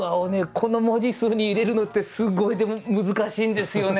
この文字数に入れるのってすごい難しいんですよね。